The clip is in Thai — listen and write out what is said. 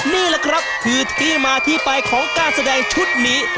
นี่แหละครับคือที่มาที่ไปของการแสดงชุดนี้